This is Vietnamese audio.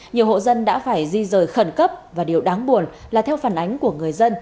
nhiều hộ dân đã phải di rời khẩn cấp và điều đáng buồn là theo phản ánh của người dân